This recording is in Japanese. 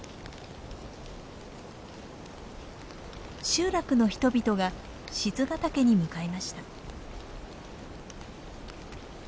集落の人々が賤ヶ岳に向かいました。